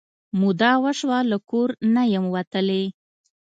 موده وشوه له کور نه یم وتلې